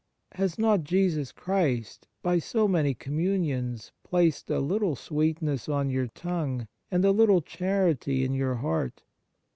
Has not Jesus Christ, by so many Communions, placed a little sweetness on your tongue and a little charity in your heart